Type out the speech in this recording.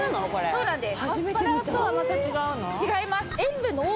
そうなんです。